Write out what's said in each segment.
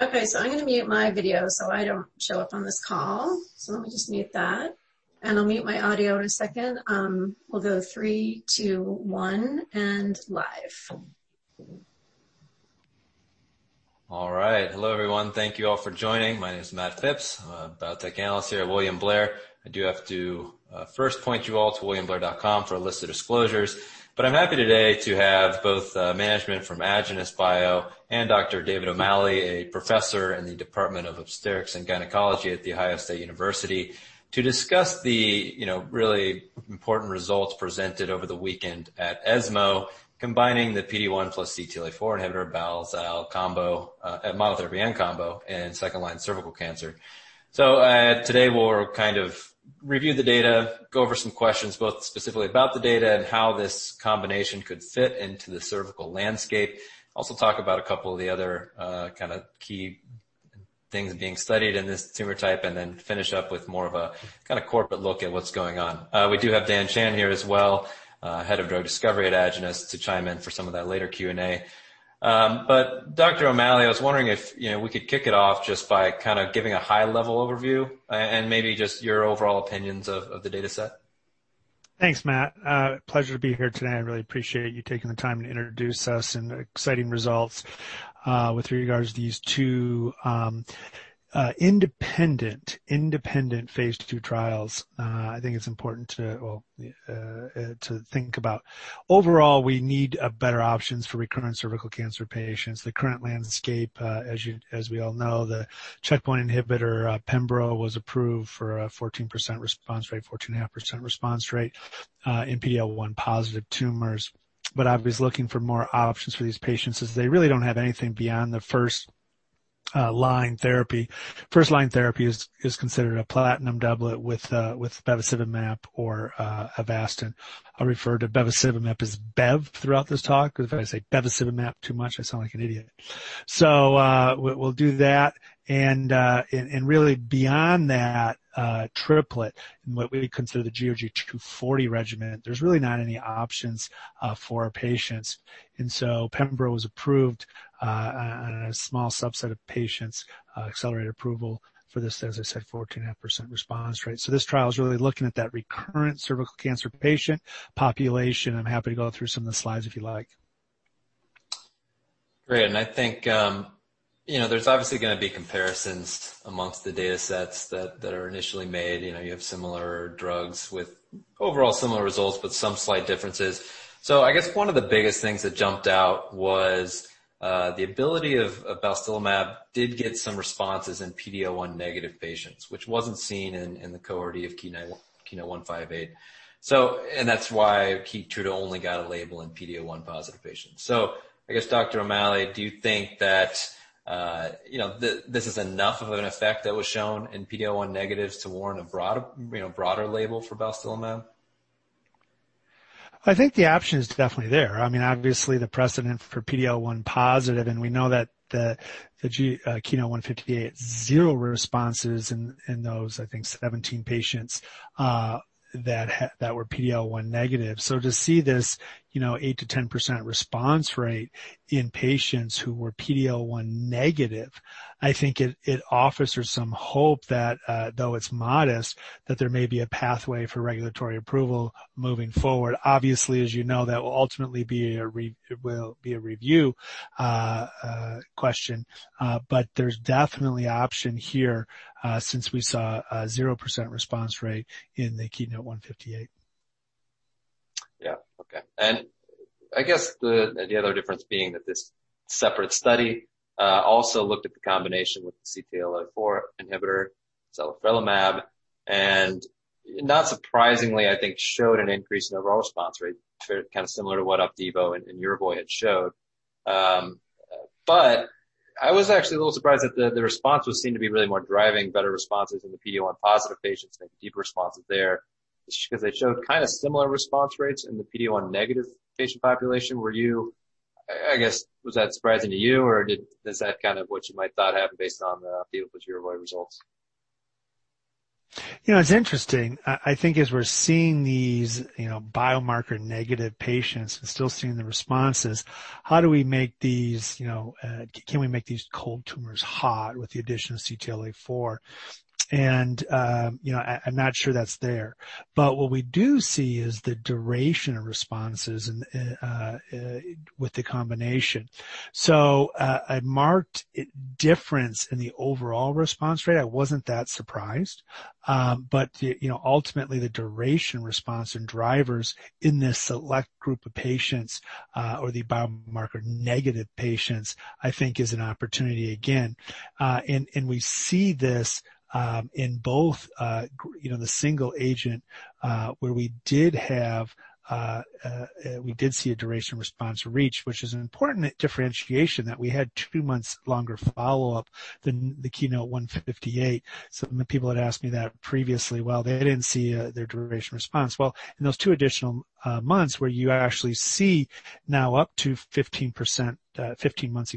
All right. Hello, everyone. Thank you all for joining. My name is Matt Phipps. I'm a biotech analyst here at William Blair. I do have to first point you all to williamblair.com for a list of disclosures. I'm happy today to have both management from Agenus and Dr. David O'Malley, a Professor in the Department of Obstetrics and Gynecology at The Ohio State University, to discuss the really important results presented over the weekend at ESMO, combining the PD-1 plus CTLA-4 inhibitor bal-zal combo, monotherapy and combo in second-line cervical cancer. Today, we'll review the data, go over some questions, both specifically about the data and how this combination could fit into the cervical landscape. Also talk about a couple of the other key things being studied in this tumor type, and then finish up with more of a corporate look at what's going on. We do have Dhan Chand here as well, head of drug discovery at Agenus, to chime in for some of that later Q&A. Dr. O'Malley, I was wondering if we could kick it off just by giving a high-level overview and maybe just your overall opinions of the data set. Thanks, Matt. Pleasure to be here today. I really appreciate you taking the time to introduce us and the exciting results with regards to these two independent phase II trials. I think it's important to think about. Overall, we need better options for recurrent cervical cancer patients. The current landscape, as we all know, the checkpoint inhibitor pembrolizumab was approved for a 14.5% response rate in PD-L1 positive tumors. Obviously looking for more options for these patients, as they really don't have anything beyond the first-line therapy. First-line therapy is considered a platinum doublet with bevacizumab or Avastin. I'll refer to bevacizumab as bev throughout this talk, because if I say bevacizumab too much, I sound like an idiot. We'll do that, and really beyond that triplet and what we consider the GOG 240 regimen, there's really not any options for our patients. Pembrolizumab was approved on a small subset of patients, accelerated approval for this, as I said, 14.5% response rate. This trial is really looking at that recurrent cervical cancer patient population. I'm happy to go through some of the slides if you like. Great. I think, there's obviously going to be comparisons amongst the data sets that are initially made. You have similar drugs with overall similar results, but some slight differences. I guess one of the biggest things that jumped out was the ability of balstilimab did get some responses in PD-L1 negative patients, which wasn't seen in the cohort of KEYNOTE-158. That's why KEYTRUDA only got a label in PD-L1 positive patients. I guess, Dr. O'Malley, do you think that this is enough of an effect that was shown in PD-L1 negatives to warrant a broader label for balstilimab? I think the option is definitely there. Obviously, the precedent for PD-L1 positive, and we know that the KEYNOTE-158, 0 responses in those, I think 17 patients that were PD-L1 negative. To see this 8%-10% response rate in patients who were PD-L1 negative, I think it offers some hope that, though it's modest, that there may be a pathway for regulatory approval moving forward. Obviously, as you know, that will ultimately be a review question. There's definitely option here since we saw a 0% response rate in the KEYNOTE-158. Yeah. Okay. I guess the other difference being that this separate study also looked at the combination with the CTLA-4 inhibitor, zalifrelimab, and not surprisingly, I think showed an increase in overall response rate, similar to what Opdivo and Yervoy had showed. I was actually a little surprised that the response was seen to be really more driving better responses in the PD-L1 positive patients, maybe deep responses there, because they showed similar response rates in the PD-L1 negative patient population. I guess, was that surprising to you, or is that what you might thought happened based on the Opdivo plus Yervoy results? It's interesting. I think as we're seeing these biomarker negative patients and still seeing the responses, can we make these cold tumors hot with the addition of CTLA-4? I'm not sure that's there. What we do see is the duration of responses with the combination. A marked difference in the overall response rate, I wasn't that surprised. Ultimately, the duration response and drivers in this select group of patients, or the biomarker-negative patients, I think is an opportunity again. We see this in both the single agent, where we did see a duration response reach, which is an important differentiation that we had two months longer follow-up than the KEYNOTE-158. Many people had asked me that previously. Well, they didn't see their duration response. In those two additional months where you actually see now up to 15 months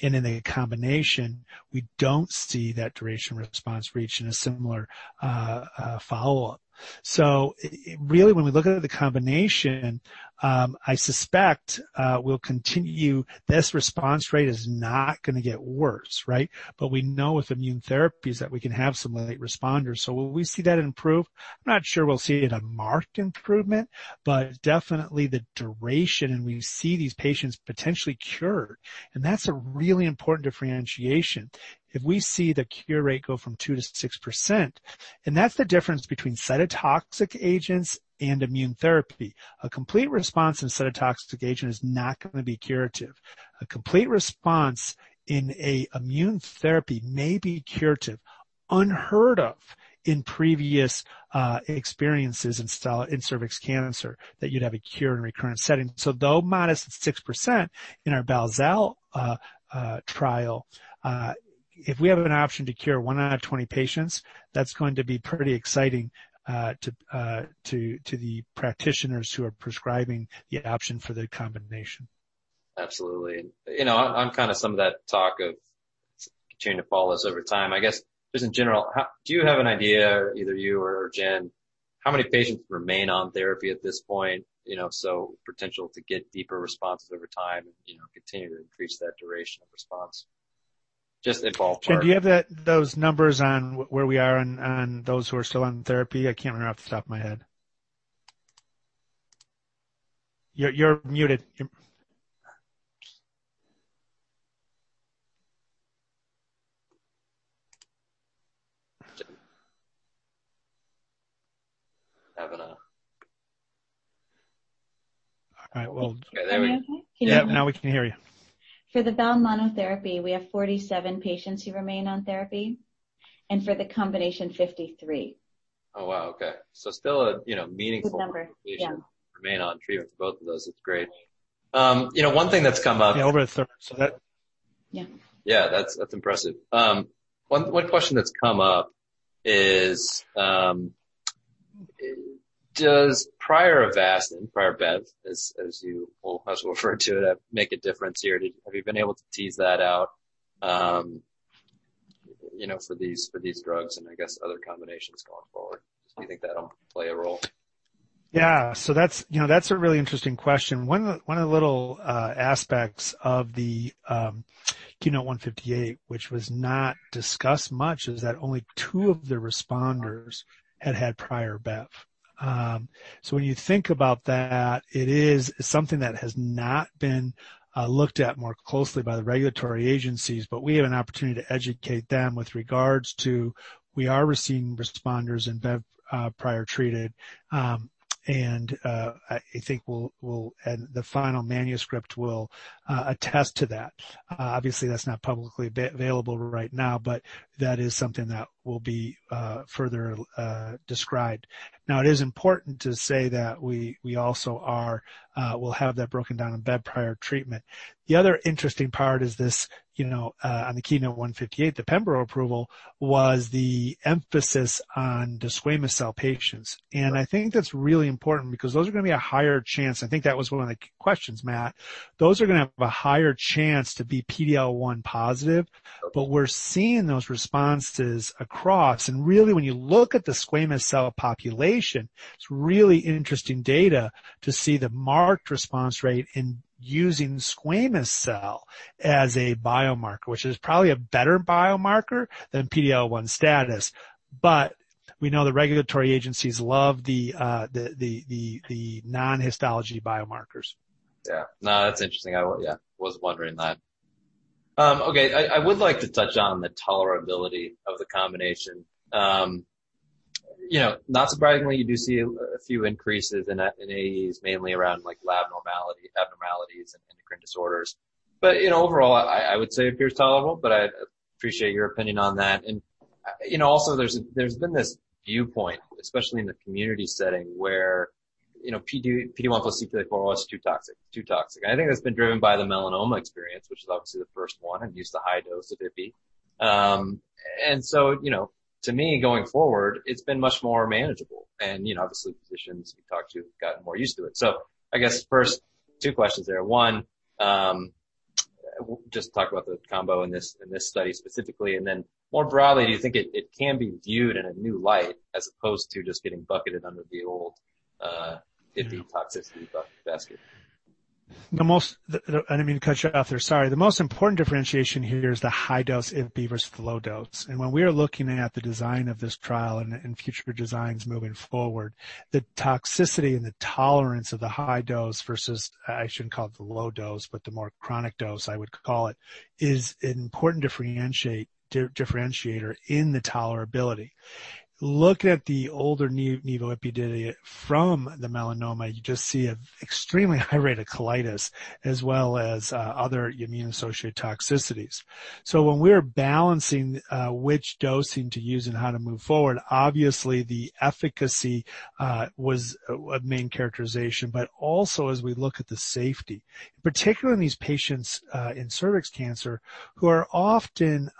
in the combination, we don't see that duration response reach in a similar follow-up. Really, when we look at the combination, I suspect we'll continue this response rate is not going to get worse, right? We know with immune therapies that we can have some late responders. Will we see that improve? I'm not sure we'll see it a marked improvement, but definitely the duration, and we see these patients potentially cured, and that's a really important differentiation. If we see the cure rate go from 2%-6%, that's the difference between cytotoxic agents and immune therapy. A complete response in cytotoxic agent is not going to be curative. A complete response in a immune therapy may be curative. Unheard of in previous experiences in cervical cancer, that you'd have a cure in recurrent setting. Though modest at 6% in our bal-zal trial. If we have an option to cure one out of 20 patients, that's going to be pretty exciting to the practitioners who are prescribing the option for the combination. Absolutely. On some of that talk of continuing to follow this over time, I guess just in general, do you have an idea, either you or Jen, how many patients remain on therapy at this point? Potential to get deeper responses over time and continue to increase that duration of response. Just in ballpark. Jen, do you have those numbers on where we are on those who are still on therapy? I can't remember off the top of my head. You're muted. Having a All right. Can you hear me? Yeah, now we can hear you. For the bal monotherapy, we have 47 patients who remain on therapy, and for the combination, 53. Oh, wow. Okay. Good number. Yeah. number of patients remain on treatment for both of those. That's great. Yeah, over a third. Yeah. Yeah, that's impressive. One question that's come up is, does prior Avast and prior bev, as you also refer to it, make a difference here? Have you been able to tease that out for these drugs and I guess other combinations going forward? Do you think that'll play a role? Yeah. That's a really interesting question. One of the little aspects of the KEYNOTE-158, which was not discussed much, is that only two of the responders had had prior BEV. When you think about that, it is something that has not been looked at more closely by the regulatory agencies, but we have an opportunity to educate them with regards to we are receiving responders in BEV prior treated. I think the final manuscript will attest to that. Obviously, that's not publicly available right now, but that is something that will be further described. Now it is important to say that we also will have that broken down in BEV prior treatment. The other interesting part is this, on the KEYNOTE-158, the pembrolizumab approval was the emphasis on the squamous cell patients. I think that's really important because those are going to be a higher chance. I think that was one of the questions, Matt. Those are going to have a higher chance to be PD-L1 positive. We're seeing those responses across, and really when you look at the squamous cell population, it's really interesting data to see the marked response rate in using squamous cell as a biomarker, which is probably a better biomarker than PD-L1 status. We know the regulatory agencies love the non-histology biomarkers. Yeah. No, that's interesting. I was wondering that. Okay. I would like to touch on the tolerability of the combination. Not surprisingly, you do see a few increases in AEs, mainly around lab abnormalities and endocrine disorders. Overall, I would say it appears tolerable, but I appreciate your opinion on that. Also there's been this viewpoint, especially in the community setting, where PD-1 plus CTLA-4 is too toxic. I think that's been driven by the melanoma experience, which is obviously the first one and used the high dose of Ipi. To me, going forward, it's been much more manageable. Obviously, physicians we've talked to have gotten more used to it. I guess first, two questions there. One, just talk about the combo in this study specifically, then more broadly, do you think it can be viewed in a new light as opposed to just getting bucketed under the old Ipi toxicity basket. I didn't mean to cut you off there. Sorry. The most important differentiation here is the high dose Ipi versus the low dose. When we are looking at the design of this trial and future designs moving forward, the toxicity and the tolerance of the high dose versus, I shouldn't call it the low dose, but the more chronic dose I would call it, is an important differentiator in the tolerability. Look at the older nivolumab Ipi from the melanoma, you just see an extremely high rate of colitis as well as other immune-associated toxicities. When we're balancing which dosing to use and how to move forward, obviously the efficacy was a main characterization. Also as we look at the safety, particularly in these patients in cervix cancer, who are often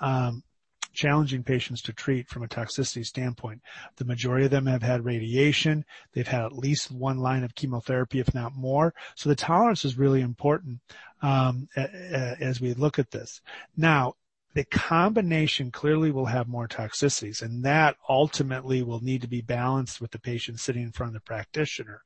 challenging patients to treat from a toxicity standpoint. The majority of them have had radiation. They've had at least one line of chemotherapy, if not more. The tolerance is really important as we look at this. Now, the combination clearly will have more toxicities, and that ultimately will need to be balanced with the patient sitting in front of the practitioner.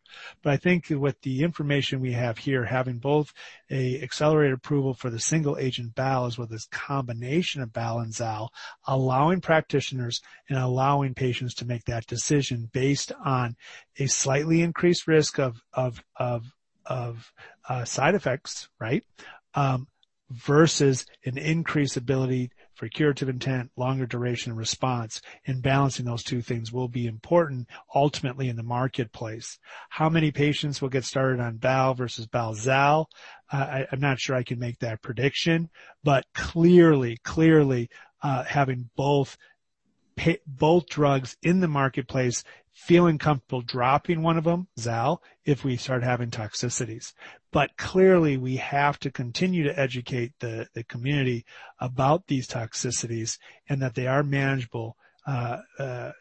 I think with the information we have here, having both a accelerated approval for the single agent bal as well as combination of bal and zal, allowing practitioners and allowing patients to make that decision based on a slightly increased risk of side effects, right, versus an increased ability for curative intent, longer duration of response, and balancing those two things will be important ultimately in the marketplace. How many patients will get started on bal versus bal-zal? I'm not sure I can make that prediction, clearly having both drugs in the marketplace, feeling comfortable dropping one of them, zal, if we start having toxicities. Clearly, we have to continue to educate the community about these toxicities and that they are manageable by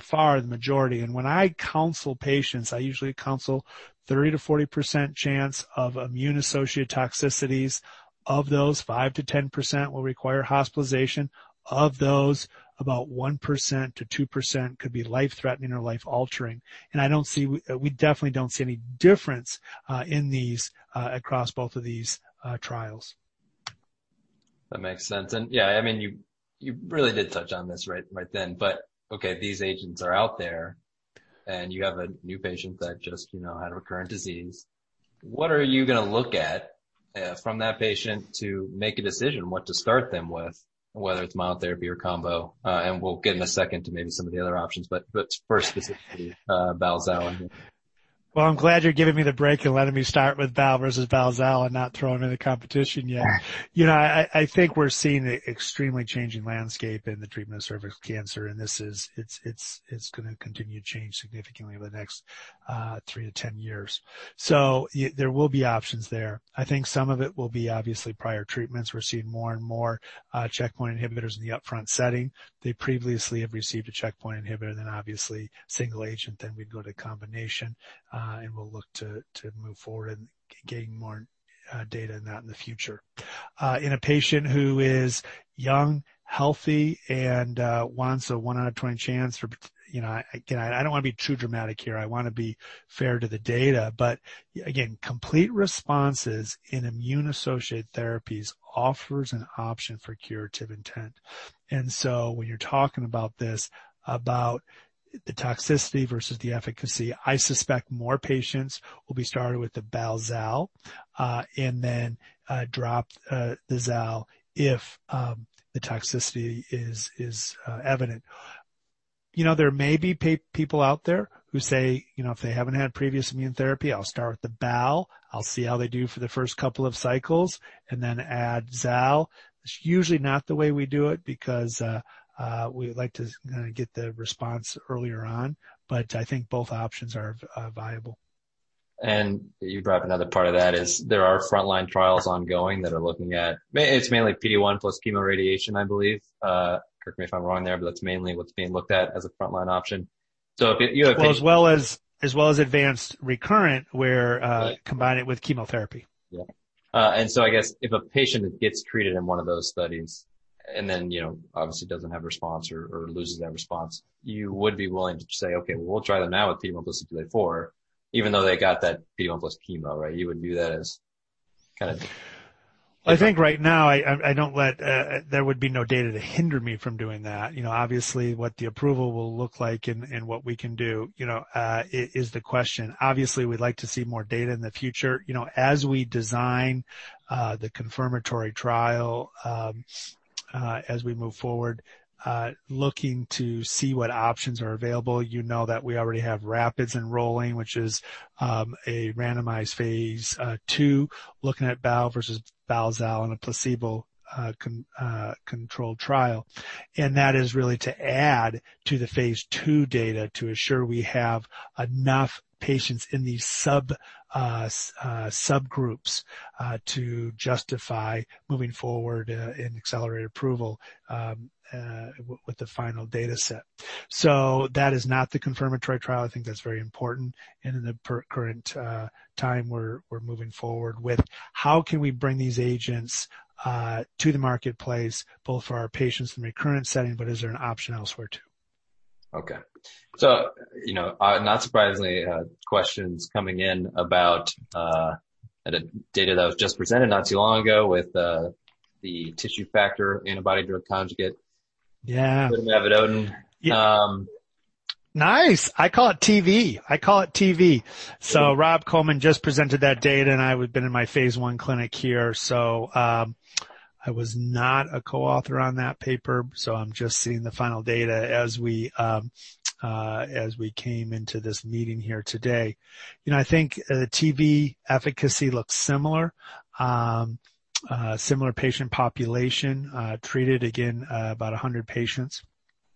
far the majority. When I counsel patients, I usually counsel 30%-40% chance of immune-associated toxicities. Of those, 5%-10% will require hospitalization. Of those, about 1%-2% could be life-threatening or life-altering. We definitely don't see any difference in these across both of these trials. That makes sense. Yeah, you really did touch on this right then. Okay, these agents are out there, and you have a new patient that just had recurrent disease. What are you going to look at from that patient to make a decision what to start them with, whether it's monotherapy or combo? We'll get in a second to maybe some of the other options, but first specifically bal-zal. Well, I'm glad you're giving me the break and letting me start with bal versus bal-zal and not throwing in the competition yet. I think we're seeing extremely changing landscape in the treatment of cervical cancer, and it's going to continue to change significantly over the next three to 10 years. There will be options there. I think some of it will be obviously prior treatments. We're seeing more and more checkpoint inhibitors in the upfront setting. They previously have received a checkpoint inhibitor, then obviously single agent, then we'd go to combination, and we'll look to move forward in getting more data in that in the future. In a patient who is young, healthy, and wants a one out of 20 chance for I don't want to be too dramatic here. I want to be fair to the data. Again, complete responses in immune-associated therapies offers an option for curative intent. When you're talking about this, about the toxicity versus the efficacy, I suspect more patients will be started with the bal-zal, and then drop the zal if the toxicity is evident. There may be people out there who say if they haven't had previous immune therapy, I'll start with the bal. I'll see how they do for the first couple of cycles, and then add zal. It's usually not the way we do it because we like to get the response earlier on, but I think both options are viable. You brought up another part of that is there are frontline trials ongoing that are looking at, it's mainly PD-1 plus chemo radiation, I believe. Correct me if I'm wrong there, but that's mainly what's being looked at as a frontline option. Well, as well as advanced recurrent. Right combine it with chemotherapy. Yeah. I guess if a patient gets treated in one of those studies and then obviously doesn't have response or loses that response, you would be willing to say, "Okay, well, we'll try them now with PD-1 versus CTLA-4," even though they got that PD-1 plus chemo, right? I think right now, there would be no data to hinder me from doing that. Obviously, what the approval will look like and what we can do is the question. Obviously, we'd like to see more data in the future. As we design the confirmatory trial, as we move forward, looking to see what options are available, you know that we already have RaPiDS enrolling, which is a randomized phase II looking at balstilimab versus balstilimab/zalifrelimab in a placebo-controlled trial. That is really to add to the phase II data to assure we have enough patients in these subgroups to justify moving forward an accelerated approval with the final data set. That is not the confirmatory trial. I think that's very important. In the current time, we're moving forward with how can we bring these agents to the marketplace, both for our patients in recurrent setting. Is there an option elsewhere too? Not surprisingly, questions coming in about data that was just presented not too long ago with the tissue factor antibody drug conjugate. Yeah. With tisotumab vedotin. Yeah. Nice. I call it TV. Rob Coleman just presented that data, and I had been in my phase I clinic here. I was not a co-author on that paper, so I'm just seeing the final data as we came into this meeting here today. I think TV efficacy looks similar. Similar patient population, treated again about 100 patients.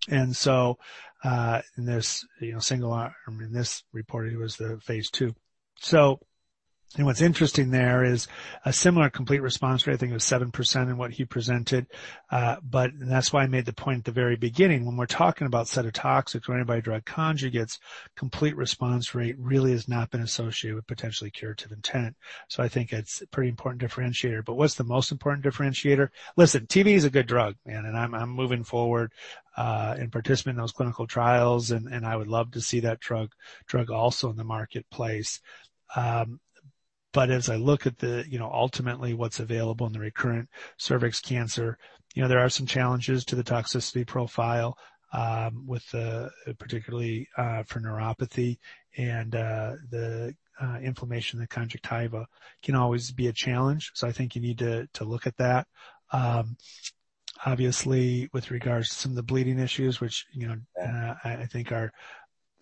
In this reporting was the phase II. What's interesting there is a similar complete response rate, I think it was 7% in what he presented. That's why I made the point at the very beginning, when we're talking about cytotox or antibody-drug conjugates, complete response rate really has not been associated with potentially curative intent. I think it's a pretty important differentiator. What's the most important differentiator? Listen, TV is a good drug, man, and I'm moving forward and participating in those clinical trials, and I would love to see that drug also in the marketplace. As I look at ultimately what's available in the recurrent cervix cancer, there are some challenges to the toxicity profile, with particularly for neuropathy and the inflammation of the conjunctiva can always be a challenge. I think you need to look at that. Obviously, with regards to some of the bleeding issues, which I think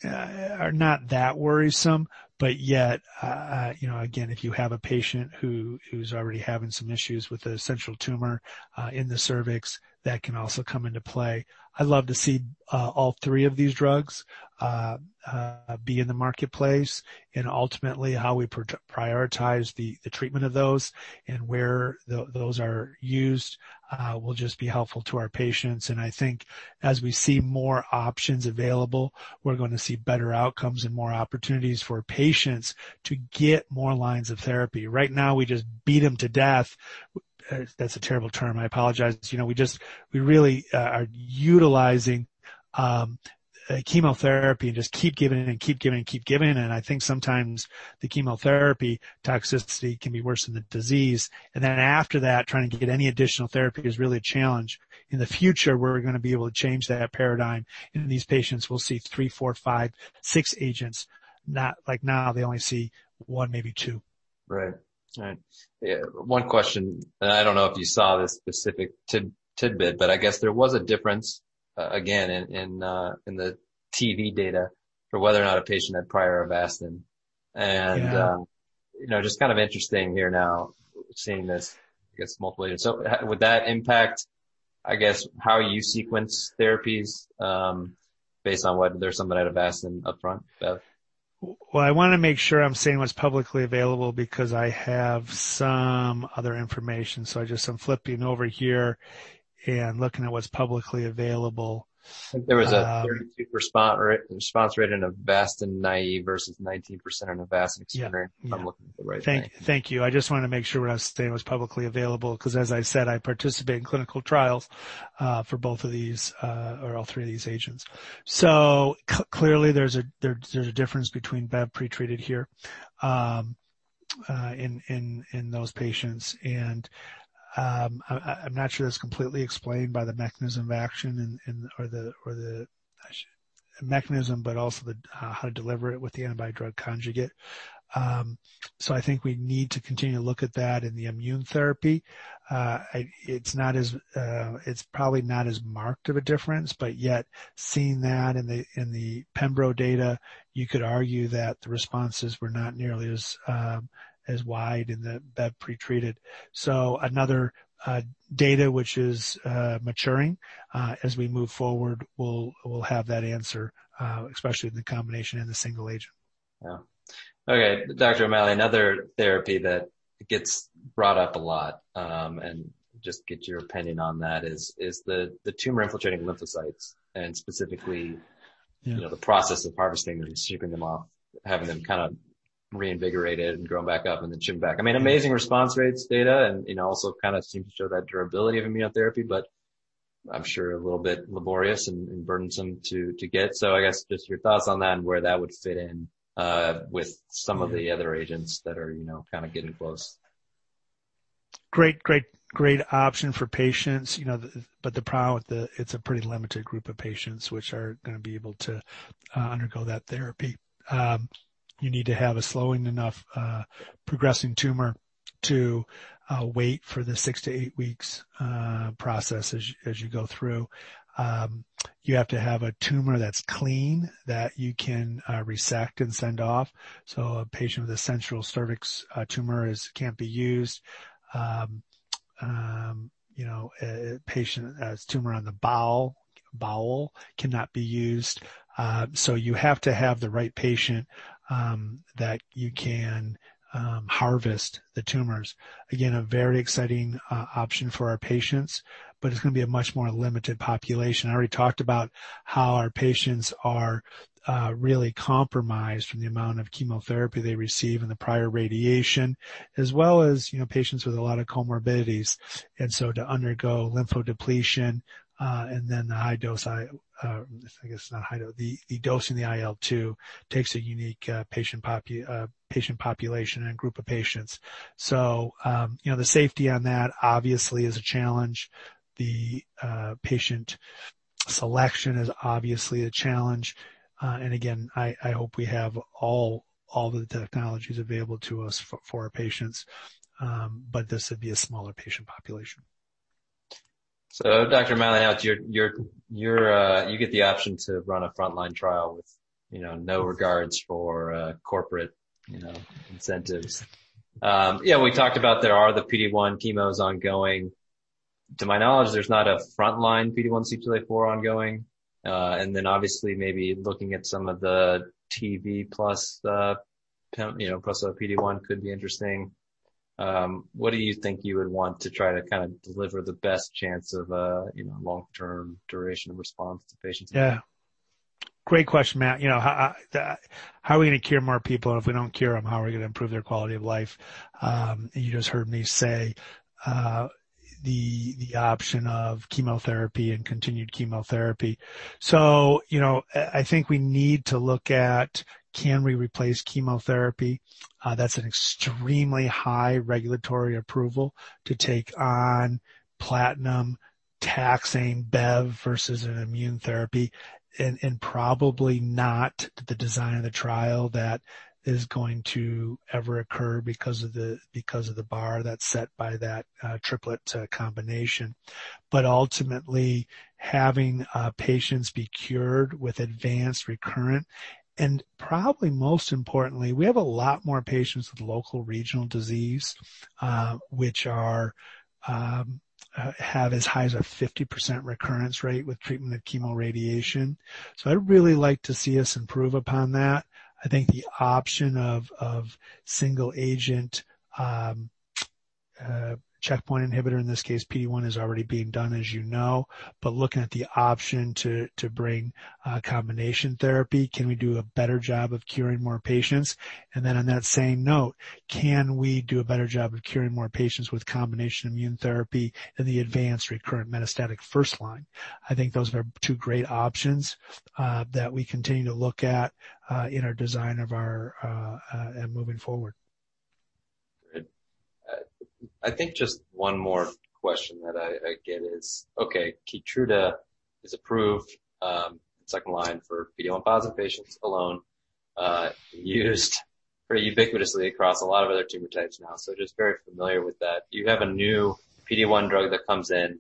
are not that worrisome. Yet, again, if you have a patient who's already having some issues with a central tumor in the cervix, that can also come into play. I'd love to see all three of these drugs be in the marketplace, and ultimately how we prioritize the treatment of those and where those are used will just be helpful to our patients. I think as we see more options available, we're going to see better outcomes and more opportunities for patients to get more lines of therapy. Right now, we just beat them to death. That's a terrible term. I apologize. We really are utilizing chemotherapy and just keep giving and keep giving and keep giving. I think sometimes the chemotherapy toxicity can be worse than the disease. After that, trying to get any additional therapy is really a challenge. In the future, we're going to be able to change that paradigm, and these patients will see three, four, five, six agents. Like now they only see one, maybe two. Right. One question. I don't know if you saw this specific tidbit, but I guess there was a difference, again, in the TV data for whether or not a patient had prior Avastin. Yeah. Just kind of interesting here now seeing this, I guess, multiplied. Would that impact, I guess, how you sequence therapies based on whether there's somebody that had Avastin upfront, bev? Well, I want to make sure I'm saying what's publicly available because I have some other information. I just am flipping over here and looking at what's publicly available. I think there was a 32% response rate in Avastin naive versus 19% in Avastin extended. Yeah. If I'm looking at the right thing. Thank you. I just wanted to make sure what I was stating was publicly available because, as I said, I participate in clinical trials for both of these, or all three of these agents. Clearly, there's a difference between Bev pretreated here in those patients. I'm not sure that's completely explained by the mechanism of action, the mechanism, but also how to deliver it with the antibody-drug conjugate. I think we need to continue to look at that in the immune therapy. It's probably not as marked of a difference, but yet seeing that in the pembrolizumab data, you could argue that the responses were not nearly as wide in the Bev pretreated. Another data which is maturing. As we move forward, we'll have that answer, especially in the combination and the single agent. Yeah. Okay, Dr. O'Malley, another therapy that gets brought up a lot, and just get your opinion on that, is the tumor-infiltrating lymphocytes. Yeah the process of harvesting and stripping them off, having them kind of reinvigorated and grown back up and then chipped back. I mean, amazing response rates data and also kind of seems to show that durability of immunotherapy, but I'm sure a little bit laborious and burdensome to get. I guess just your thoughts on that and where that would fit in with some of the other agents that are kind of getting close. The problem with it's a pretty limited group of patients which are going to be able to undergo that therapy. You need to have a slowing enough progressing tumor to wait for the six to eight weeks process as you go through. You have to have a tumor that's clean that you can resect and send off. A patient with a central cervix tumor can't be used. A patient that has tumor on the bowel cannot be used. You have to have the right patient that you can harvest the tumors. Again, a very exciting option for our patients, but it's going to be a much more limited population. I already talked about how our patients are really compromised from the amount of chemotherapy they receive and the prior radiation, as well as patients with a lot of comorbidities. To undergo lymphodepletion and then the dosing the IL-2 takes a unique patient population and group of patients. The safety on that obviously is a challenge. The patient selection is obviously a challenge. I hope we have all the technologies available to us for our patients. This would be a smaller patient population. Dr. O'Malley, you get the option to run a frontline trial with no regards for corporate incentives. We talked about there are the PD-1 chemos ongoing. To my knowledge, there's not a frontline PD-1 CTLA-4 ongoing. Obviously maybe looking at some of the TV plus the PD-1 could be interesting. What do you think you would want to try to kind of deliver the best chance of long-term duration of response to patients? Yeah. Great question, Matt. How are we going to cure more people if we don't cure them? How are we going to improve their quality of life? You just heard me say the option of chemotherapy and continued chemotherapy. I think we need to look at can we replace chemotherapy? That's an extremely high regulatory approval to take on platinum taxane Bev versus an immunotherapy, and probably not the design of the trial that is going to ever occur because of the bar that's set by that triplet combination. Ultimately, having patients be cured with advanced recurrent, and probably most importantly, we have a lot more patients with local regional disease, which have as high as a 50% recurrence rate with treatment of chemoradiation. I'd really like to see us improve upon that. I think the option of single-agent checkpoint inhibitor, in this case, PD-1, is already being done, as you know. Looking at the option to bring combination therapy, can we do a better job of curing more patients? On that same note, can we do a better job of curing more patients with combination immune therapy in the advanced recurrent metastatic first line? I think those are two great options that we continue to look at in our design moving forward. Great. I think just one more question that I get is, okay, KEYTRUDA is approved, second-line for PD-L1 positive patients alone, used pretty ubiquitously across a lot of other tumor types now, so just very familiar with that. You have a new PD-1 drug that comes in.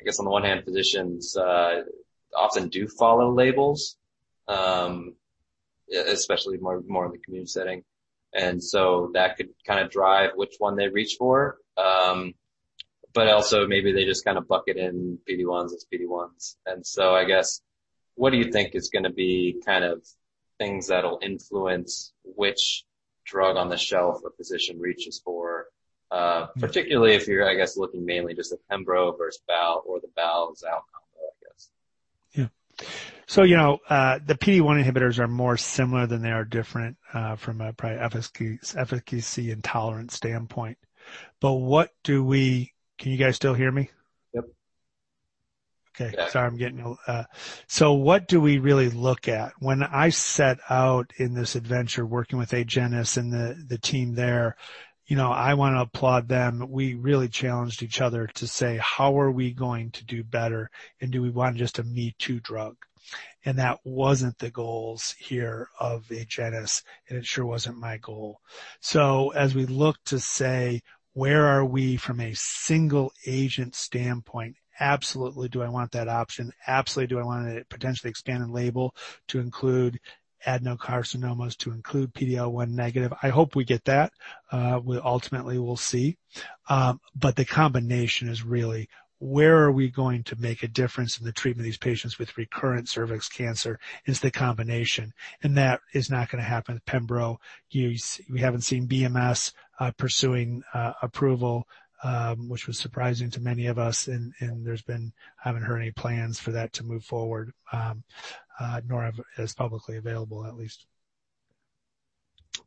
I guess on the one hand, physicians often do follow labels, especially more in the community setting. That could drive which one they reach for. Also maybe they just bucket in PD-1s as PD-1s. I guess, what do you think is going to be things that'll influence which drug on the shelf a physician reaches for, particularly if you're, I guess, looking mainly just at pembrolizumab versus bal or the bal-zal combo, I guess. Yeah. The PD-1 inhibitors are more similar than they are different from a probably efficacy and tolerance standpoint. Can you guys still hear me? Yep. Okay. Yeah. Sorry, I'm getting. What do we really look at? When I set out in this adventure working with Agenus and the team there, I want to applaud them. We really challenged each other to say, "How are we going to do better, and do we want just a me-too drug?" That wasn't the goals here of Agenus, and it sure wasn't my goal. As we look to say, where are we from a single-agent standpoint, absolutely do I want that option, absolutely do I want to potentially expand and label to include adenocarcinomas, to include PD-L1 negative. I hope we get that. Ultimately, we'll see. The combination is really where are we going to make a difference in the treatment of these patients with recurrent cervix cancer is the combination, and that is not going to happen with pembro. We haven't seen BMS pursuing approval, which was surprising to many of us, and I haven't heard any plans for that to move forward, nor is publicly available, at least.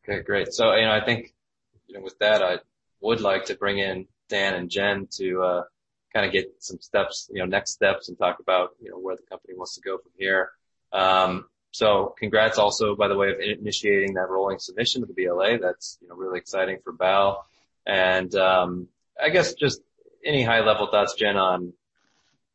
Okay, great. I think with that, I would like to bring in Dhan and Jen to get some next steps and talk about where the company wants to go from here. Congrats also, by the way, of initiating that rolling submission of the BLA. That's really exciting for bal. I guess, just any high-level thoughts, Jen, on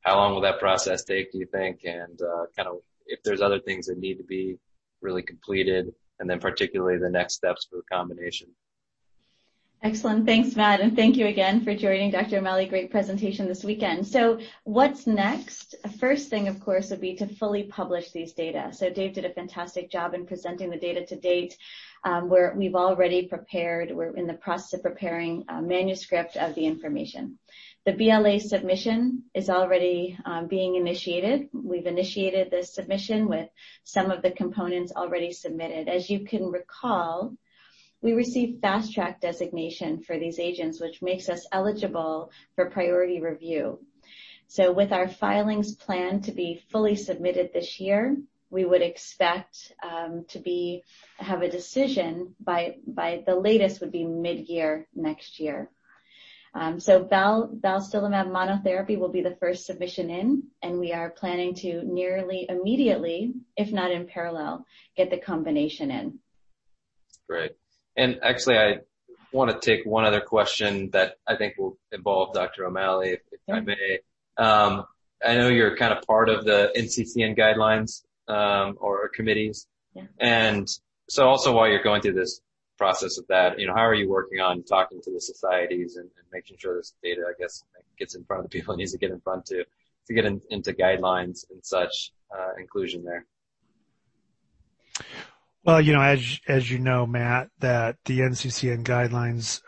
how long will that process take, do you think? If there's other things that need to be really completed, and then particularly the next steps for the combination. Excellent. Thanks, Matt, and thank you again for joining Dr. O'Malley. Great presentation this weekend. What's next? First thing, of course, would be to fully publish these data. Dave did a fantastic job in presenting the data to date. We're in the process of preparing a manuscript of the information. The BLA submission is already being initiated. We've initiated the submission with some of the components already submitted. As you can recall, we received Fast Track designation for these agents, which makes us eligible for priority review. With our filings planned to be fully submitted this year, we would expect to have a decision by, the latest would be mid-year next year. balstilimab monotherapy will be the first submission in, and we are planning to nearly immediately, if not in parallel, get the combination in. Great. Actually, I want to take one other question that I think will involve Dr. O'Malley, if I may. Yeah. I know you're part of the NCCN guidelines or committees. Yeah. Also while you're going through this process of that, how are you working on talking to the societies and making sure this data, I guess, gets in front of the people it needs to get in front to get into guidelines and such inclusion there? Well, as you know, Matt, that the NCCN guidelines,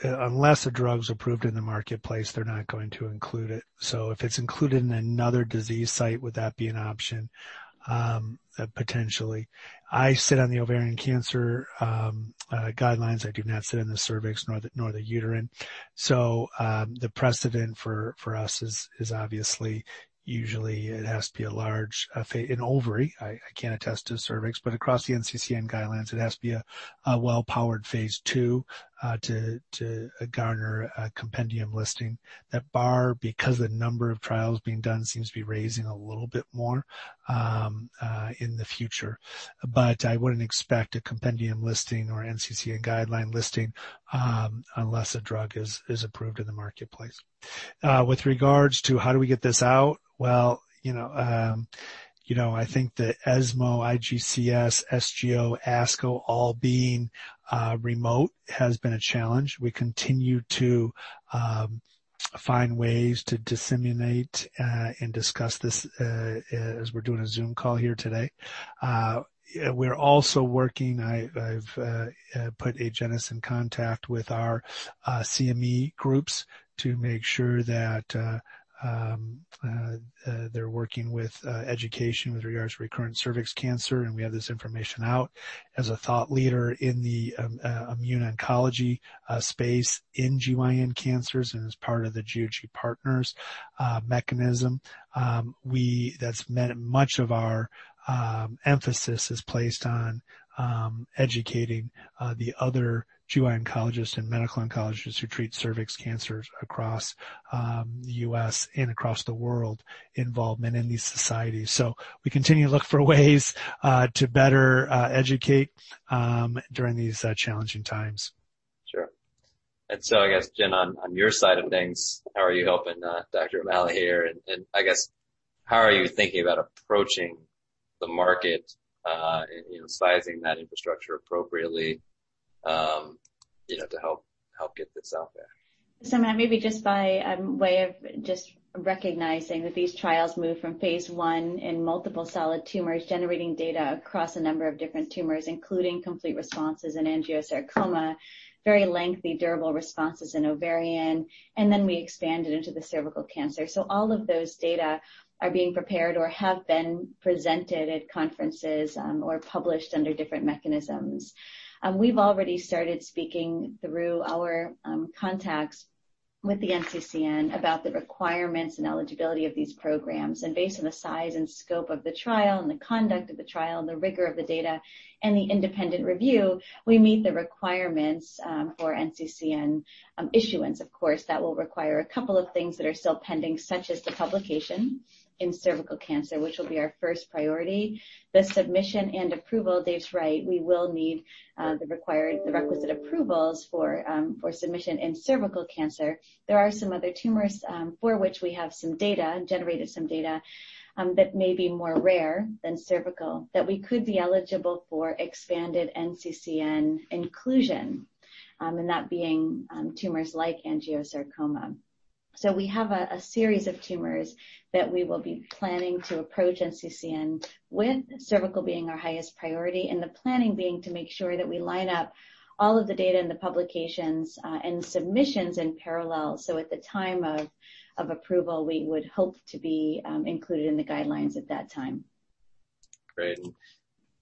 unless a drug's approved in the marketplace, they're not going to include it. If it's included in another disease site, would that be an option? Potentially. I sit on the ovarian cancer guidelines. I do not sit in the cervix nor the uterine. The precedent for us is obviously, usually it has to be a large in ovary, I can't attest to cervix, but across the NCCN guidelines, it has to be a well-powered phase II to garner a compendium listing. That bar, because the number of trials being done seems to be raising a little bit more in the future. I wouldn't expect a compendium listing or NCCN guideline listing unless a drug is approved in the marketplace. With regards to how do we get this out, well, I think that ESMO, IGCS, SGO, ASCO all being remote has been a challenge. We continue to find ways to disseminate and discuss this as we're doing a Zoom call here today. We're also working, I've put Agenus in contact with our CME groups to make sure that they're working with education with regards to recurrent cervix cancer, and we have this information out as a thought leader in the immune oncology space in GYN cancers, and as part of the GOG Partners mechanism. Much of our emphasis is placed on educating the other GYN oncologists and medical oncologists who treat cervix cancers across the U.S. and across the world involvement in these societies. We continue to look for ways to better educate during these challenging times. Sure. I guess, Jen, on your side of things, how are you helping Dr. O'Malley here, and I guess how are you thinking about approaching the market, sizing that infrastructure appropriately to help get this out there? Maybe just by way of just recognizing that these trials move from phase I in multiple solid tumors, generating data across a number of different tumors, including complete responses in angiosarcoma, very lengthy durable responses in ovarian, and then we expanded into the cervical cancer. All of those data are being prepared or have been presented at conferences, or published under different mechanisms. We've already started speaking through our contacts with the NCCN about the requirements and eligibility of these programs. Based on the size and scope of the trial and the conduct of the trial and the rigor of the data and the independent review, we meet the requirements for NCCN issuance. Of course, that will require a couple of things that are still pending, such as the publication in cervical cancer, which will be our first priority. The submission and approval, Dave's right, we will need the requisite approvals for submission in cervical cancer. There are some other tumors for which we have some data, generated some data, that may be more rare than cervical, that we could be eligible for expanded NCCN inclusion, and that being tumors like angiosarcoma. We have a series of tumors that we will be planning to approach NCCN with, cervical being our highest priority, and the planning being to make sure that we line up all of the data and the publications and submissions in parallel. At the time of approval, we would hope to be included in the guidelines at that time. Great.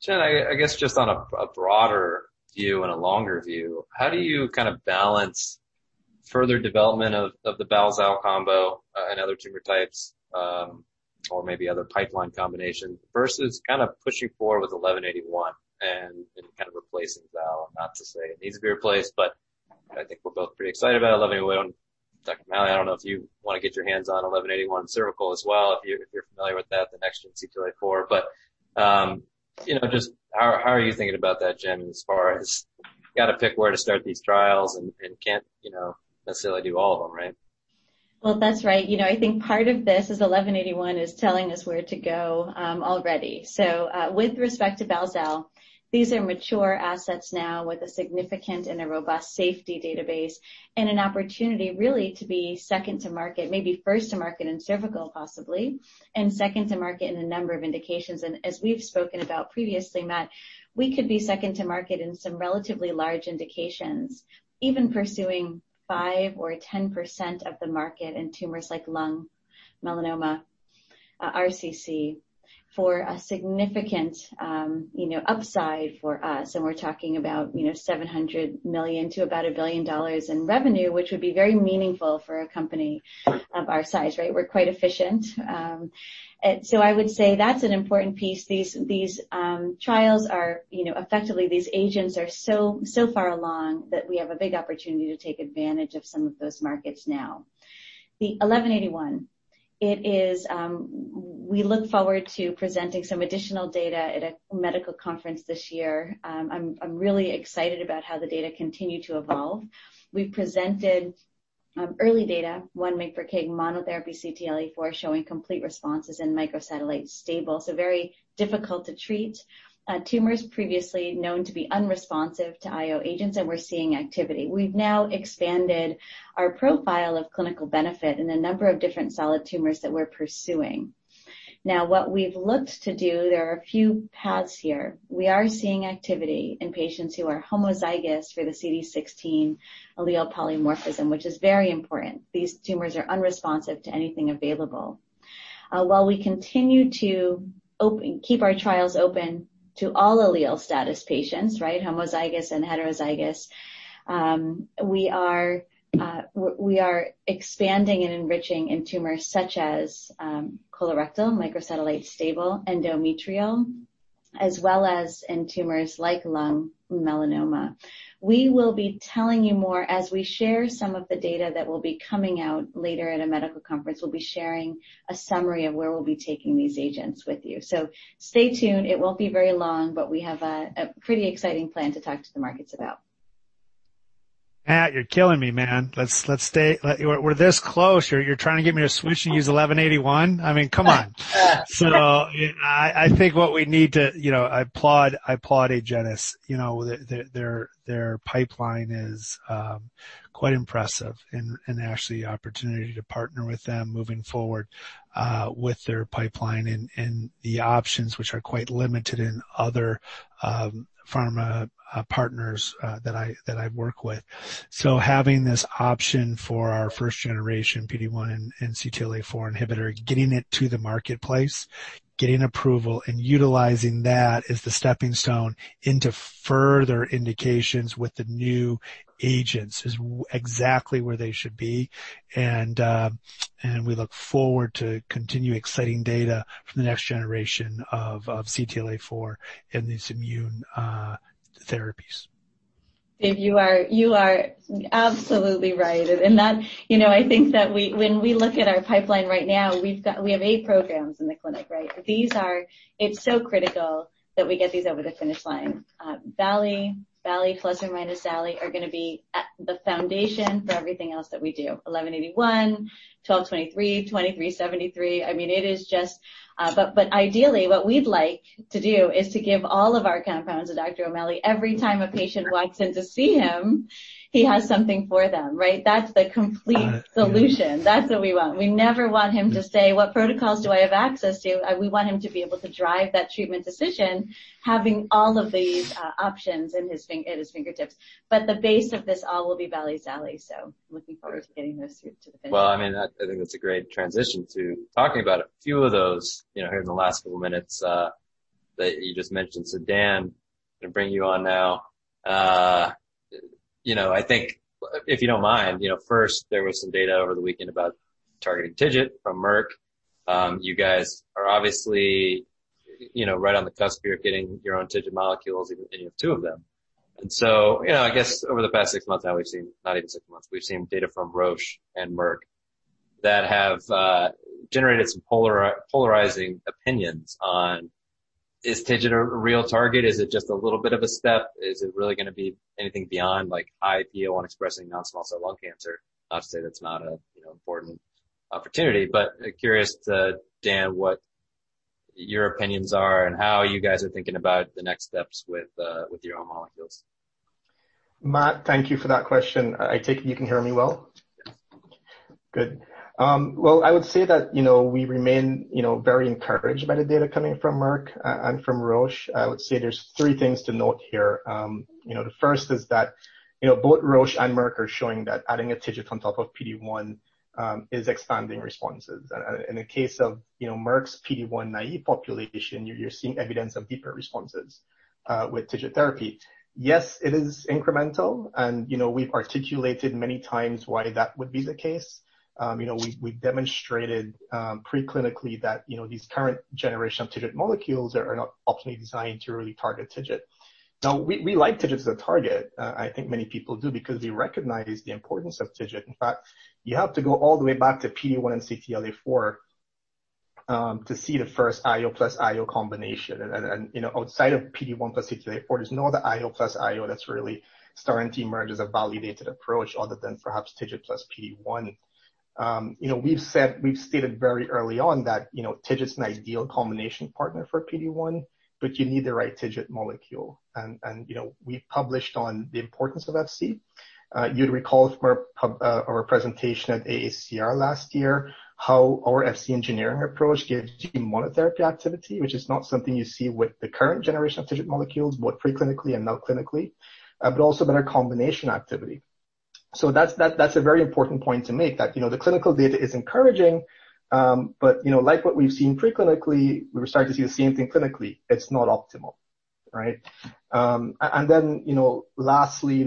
Jen, I guess just on a broader view and a longer view, how do you kind of balance further development of the bal-zal combo in other tumor types, or maybe other pipeline combinations, versus kind of pushing forward with 1181 and kind of replacing zal? Not to say it needs to be replaced, I think we're both pretty excited about 1181. Dr. O'Malley, I don't know if you want to get your hands on 1181 cervical as well, if you're familiar with that, the next gen CTLA-4. Just how are you thinking about that, Jen, as far as you've got to pick where to start these trials and can't necessarily do all of them, right? Well, that's right. I think part of this is AGEN1181 is telling us where to go already. With respect to bal-zal, these are mature assets now with a significant and a robust safety database and an opportunity really to be second to market, maybe first to market in cervical possibly, and second to market in a number of indications. As we've spoken about previously, Matt, we could be second to market in some relatively large indications, even pursuing 5% or 10% of the market in tumors like lung, melanoma, RCC, for a significant upside for us. We're talking about $700 million to about $1 billion in revenue, which would be very meaningful for a company of our size, right? We're quite efficient. I would say that's an important piece. Effectively, these agents are so far along that we have a big opportunity to take advantage of some of those markets now. The AGEN1181, we look forward to presenting some additional data at a medical conference this year. I'm really excited about how the data continue to evolve. We've presented early data, 1 mg per kg monotherapy CTLA-4, showing complete responses in microsatellite stable, so very difficult to treat tumors previously known to be unresponsive to IO agents, and we're seeing activity. We've now expanded our profile of clinical benefit in a number of different solid tumors that we're pursuing. Now, what we've looked to do, there are a few paths here. We are seeing activity in patients who are homozygous for the CD16 allele polymorphism, which is very important. These tumors are unresponsive to anything available. While we continue to keep our trials open to all allele status patients, homozygous and heterozygous, we are expanding and enriching in tumors such as colorectal, microsatellite stable, endometrial, as well as in tumors like lung and melanoma. We will be telling you more as we share some of the data that will be coming out later at a medical conference. We'll be sharing a summary of where we'll be taking these agents with you. Stay tuned. It won't be very long, but we have a pretty exciting plan to talk to the markets about. Matt, you're killing me, man. We're this close. You're trying to get me to switch and use AGEN1181? I mean, come on. I applaud Agenus. Their pipeline is quite impressive and actually the opportunity to partner with them moving forward with their pipeline and the options which are quite limited in other pharma partners that I work with. Having this option for our first generation PD-1 and CTLA-4 inhibitor, getting it to the marketplace, getting approval, and utilizing that as the stepping stone into further indications with the new agents is exactly where they should be. We look forward to continued exciting data from the next generation of CTLA-4 in these immune therapies. Dave, you are absolutely right. I think that when we look at our pipeline right now, we have eight programs in the clinic, right? It's so critical that we get these over the finish line. bal, plus or minus bal, are going to be the foundation for everything else that we do. AGEN1181, AGEN1223, AGEN2373. Ideally what we'd like to do is to give all of our compounds to Dr. O'Malley. Every time a patient walks in to see him, he has something for them, right? That's the complete solution. That's what we want. We never want him to say, "What protocols do I have access to?" We want him to be able to drive that treatment decision, having all of these options at his fingertips. The base of this all will be bal bal, looking forward to getting those two to the finish line. Well, I think that's a great transition to talking about a few of those, here in the last couple minutes, that you just mentioned. Dhan, I am going to bring you on now. I think, if you don't mind, first, there was some data over the weekend about targeting TIGIT from Merck. You guys are obviously right on the cusp here of getting your own TIGIT molecules, and you have two of them. I guess over the past six months now we've seen, not even six months, we've seen data from Roche and Merck that have generated some polarizing opinions on, is TIGIT a real target? Is it just a little bit of a step? Is it really going to be anything beyond high PD-L1 expressing non-small cell lung cancer? Not to say that's not a important opportunity, but curious to, Dhan, what your opinions are and how you guys are thinking about the next steps with your own molecules. Matt, thank you for that question. I take it you can hear me well? Good. Well, I would say that we remain very encouraged by the data coming from Merck and from Roche. I would say there's three things to note here. The first is that both Roche and Merck are showing that adding a TIGIT on top of PD-1 is expanding responses. In the case of Merck's PD-1 naive population, you're seeing evidence of deeper responses with TIGIT therapy. Yes, it is incremental. We've articulated many times why that would be the case. We demonstrated pre-clinically that these current generation of TIGIT molecules are not optimally designed to really target TIGIT. Now, we like TIGIT as a target. I think many people do because we recognize the importance of TIGIT. In fact, you have to go all the way back to PD-1 and CTLA-4 to see the first IO plus IO combination. Outside of PD-1 plus CTLA-4, there's no other IO plus IO that's really starting to emerge as a validated approach other than perhaps TIGIT plus PD-1. We've stated very early on that TIGIT's an ideal combination partner for PD-1, but you need the right TIGIT molecule. We've published on the importance of FC. You'd recall from our presentation at AACR last year how our FC engineering approach gives you monotherapy activity, which is not something you see with the current generation of TIGIT molecules, both preclinically and now clinically, but also better combination activity. That's a very important point to make, that the clinical data is encouraging, but like what we've seen preclinically, we're starting to see the same thing clinically. It's not optimal. Right? Lastly,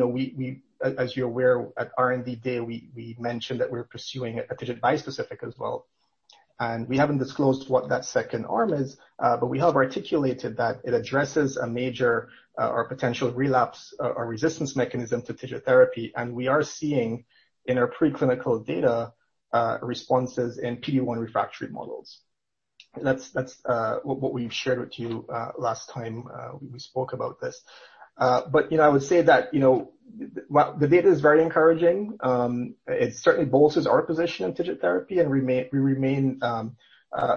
as you're aware, at R&D Day, we mentioned that we're pursuing a TIGIT bispecific as well. We haven't disclosed what that second arm is, but we have articulated that it addresses a major or potential relapse or resistance mechanism to TIGIT therapy, and we are seeing in our pre-clinical data responses in PD-1 refractory models. That's what we've shared with you last time we spoke about this. I would say that while the data is very encouraging, it certainly bolsters our position in TIGIT therapy and we remain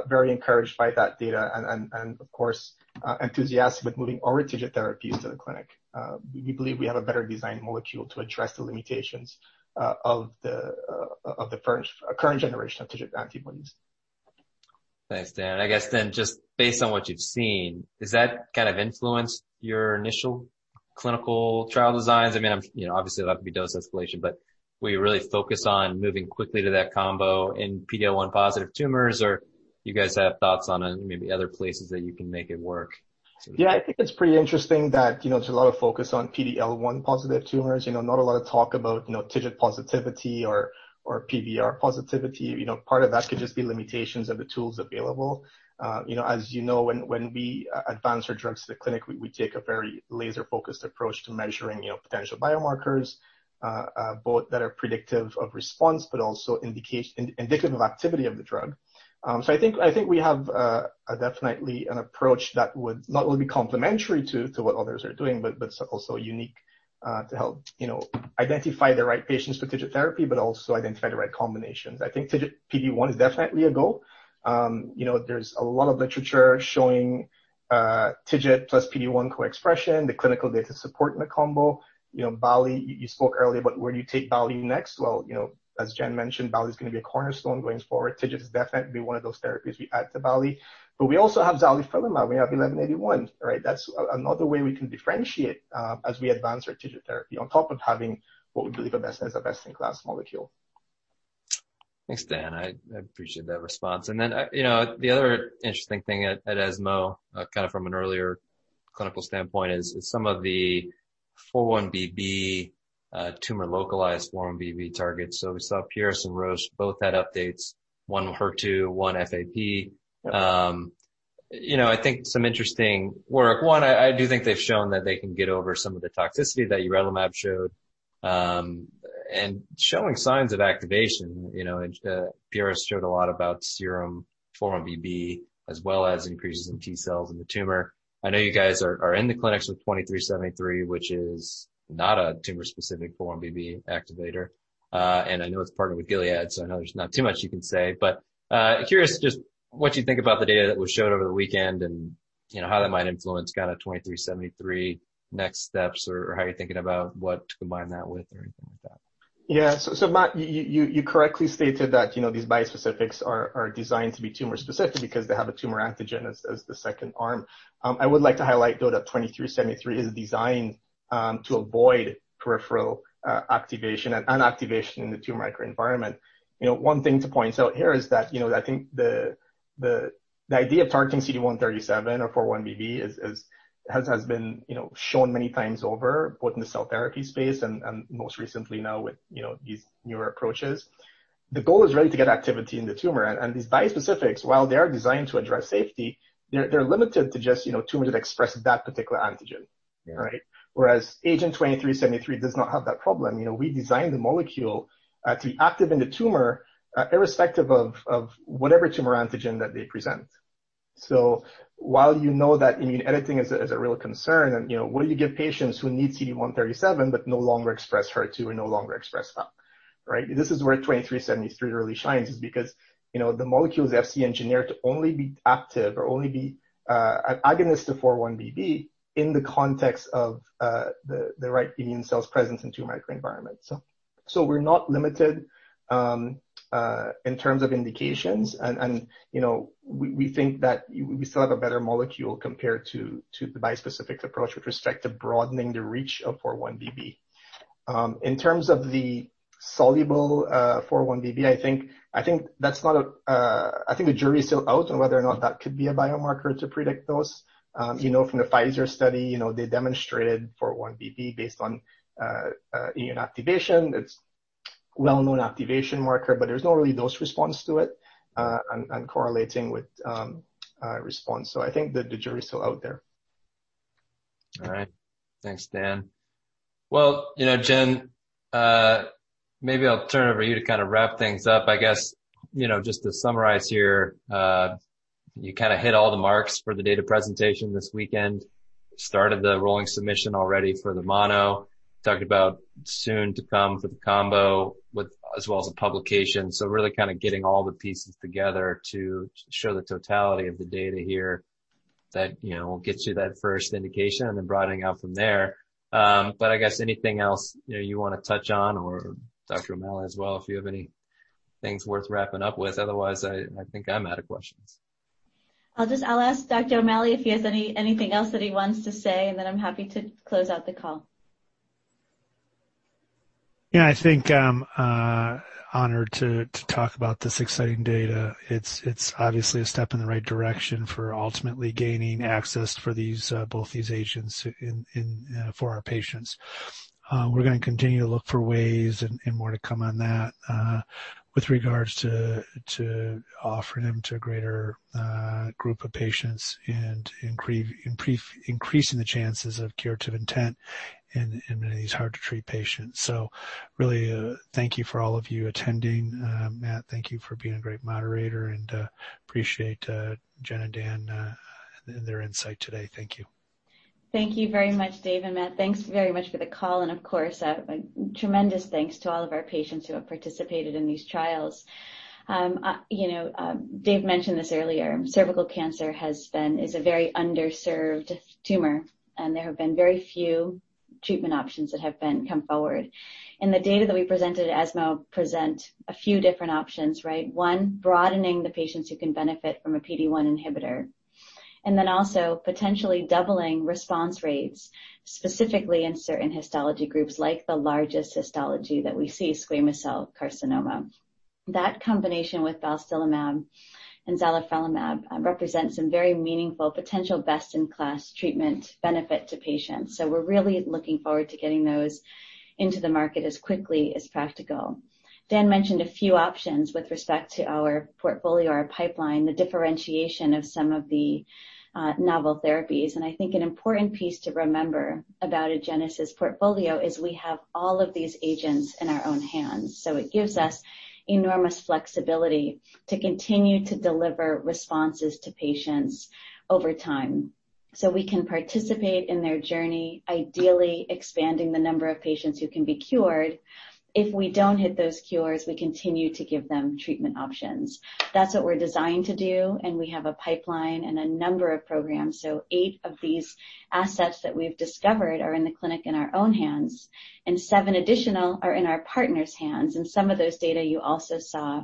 very encouraged by that data and of course, enthusiastic with moving our TIGIT therapies to the clinic. We believe we have a better designed molecule to address the limitations of the current generation of TIGIT antibodies. Thanks, Dhan. I guess then just based on what you've seen, has that kind of influenced your initial clinical trial designs? Obviously that'd be dose escalation, but will you really focus on moving quickly to that combo in PD-L1 positive tumors, or you guys have thoughts on maybe other places that you can make it work? Yeah, I think it's pretty interesting that there's a lot of focus on PD-L1 positive tumors. Not a lot of talk about TIGIT positivity or PVR positivity. Part of that could just be limitations of the tools available. As you know, when we advance our drugs to the clinic, we take a very laser-focused approach to measuring potential biomarkers, both that are predictive of response, but also indicative of activity of the drug. I think we have definitely an approach that would not only be complementary to what others are doing, but also unique to help identify the right patients for TIGIT therapy, but also identify the right combinations. I think TIGIT PD-1 is definitely a goal. There's a lot of literature showing TIGIT plus PD-1 co-expression, the clinical data supporting the combo. bal, you spoke earlier about where do you take bal next. Well, as Jen mentioned, bal's going to be a cornerstone going forward. TIGIT is definitely going to be one of those therapies we add to bal. We also have zalifrelimab, we have 1181, right? That's another way we can differentiate as we advance our TIGIT therapy on top of having what we believe is the best-in-class molecule. Thanks, Dhan. I appreciate that response. The other interesting thing at ESMO, from an earlier clinical standpoint, is some of the 4-1BB tumor-localized, 4-1BB targets. We saw Pieris and Roche both had updates, one HER2, one FAP. I think some interesting work. One, I do think they've shown that they can get over some of the toxicity that urelumab showed and showing signs of activation. Pieris showed a lot about serum 4-1BB, as well as increases in T cells in the tumor. I know you guys are in the clinics with 2373, which is not a tumor-specific 4-1BB activator. I know it's partnered with Gilead, so I know there's not too much you can say, but curious just what you think about the data that was showed over the weekend and how that might influence 2373 next steps or how you're thinking about what to combine that with or anything like that. Yeah. Matt, you correctly stated that these bispecifics are designed to be tumor-specific because they have a tumor antigen as the second arm. I would like to highlight, though, that AGEN2373 is designed to avoid peripheral activation and activation in the tumor microenvironment. One thing to point out here is that I think the idea of targeting CD137 or 4-1BB has been shown many times over, both in the cell therapy space and most recently now with these newer approaches. The goal is really to get activity in the tumor. These bispecifics, while they are designed to address safety, they're limited to just tumors that express that particular antigen. Yeah. Right? Whereas agent AGEN2373 does not have that problem. We designed the molecule to be active in the tumor, irrespective of whatever tumor antigen that they present. While you know that immune editing is a real concern and what do you give patients who need CD137 but no longer express HER2 or no longer express that, right? This is where AGEN2373 really shines, is because the molecule is Fc engineered to only be active or only be agonist to 4-1BB in the context of the right immune cells presence in tumor microenvironment. We're not limited in terms of indications, and we think that we still have a better molecule compared to the bispecific approach with respect to broadening the reach of 4-1BB. In terms of the soluble 4-1BB, I think the jury is still out on whether or not that could be a biomarker to predict those. From the Pfizer study, they demonstrated 4-1BB based on immune activation. It's a well-known activation marker, but there's not really dose response to it and correlating with response. I think that the jury's still out there. All right. Thanks, Dhan. Well, Jen, maybe I'll turn it over to you to wrap things up. I guess, just to summarize here, you hit all the marks for the data presentation this weekend. Started the rolling submission already for the mono, talked about soon to come for the combo, as well as a publication. Really getting all the pieces together to show the totality of the data here that will get you that first indication and then broadening out from there. I guess anything else you want to touch on or Dr. O'Malley as well, if you have any things worth wrapping up with. Otherwise, I think I'm out of questions. I'll ask Dr. O'Malley if he has anything else that he wants to say, and then I'm happy to close out the call. Yeah, I think I'm honored to talk about this exciting data. It's obviously a step in the right direction for ultimately gaining access for both these agents for our patients. We're going to continue to look for ways, and more to come on that, with regards to offering them to a greater group of patients and increasing the chances of curative intent in many of these hard-to-treat patients. Really, thank you for all of you attending. Matt, thank you for being a great moderator, and appreciate Jen and Dhan and their insight today. Thank you. Thank you very much, Dave and Matt. Thanks very much for the call, and of course, a tremendous thanks to all of our patients who have participated in these trials. Dave mentioned this earlier, cervical cancer is a very underserved tumor. There have been very few treatment options that have come forward. The data that we presented at ESMO present a few different options, right? One, broadening the patients who can benefit from a PD-1 inhibitor. Then also potentially doubling response rates, specifically in certain histology groups like the largest histology that we see, squamous cell carcinoma. That combination with balstilimab and zalifrelimab represents some very meaningful potential best-in-class treatment benefit to patients. We're really looking forward to getting those into the market as quickly as practical. Dhan mentioned a few options with respect to our portfolio, our pipeline, the differentiation of some of the novel therapies. I think an important piece to remember about Agenus' portfolio is we have all of these agents in our own hands. It gives us enormous flexibility to continue to deliver responses to patients over time. We can participate in their journey, ideally expanding the number of patients who can be cured. If we don't hit those cures, we continue to give them treatment options. That's what we're designed to do, and we have a pipeline and a number of programs. Eight of these assets that we've discovered are in the clinic in our own hands, and seven additional are in our partners' hands, and some of those data you also saw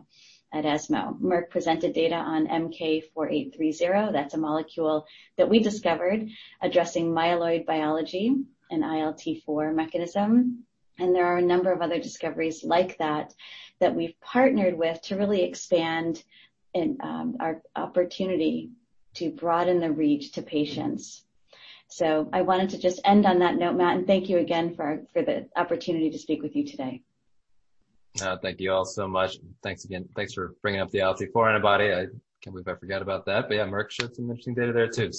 at ESMO. Merck presented data on MK-4830. That's a molecule that we discovered addressing myeloid biology and ILT4 mechanism. There are a number of other discoveries like that that we've partnered with to really expand our opportunity to broaden the reach to patients. I wanted to just end on that note, Matt, and thank you again for the opportunity to speak with you today. Thank you all so much. Thanks again. Thanks for bringing up the ILT4 antibody. I can't believe I forgot about that. Yeah, Merck showed some interesting data there, too.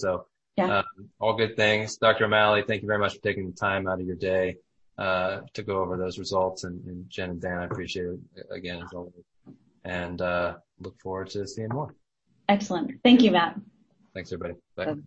Yeah. All good things. Dr. O'Malley, thank you very much for taking the time out of your day to go over those results, and Jen and Dhan, I appreciate it again, as always, and look forward to seeing more. Excellent. Thank you, Matt. Thanks, everybody. Bye.